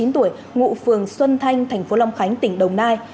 bốn mươi chín tuổi ngụ phường xuân thanh tp long khánh tỉnh đồng nai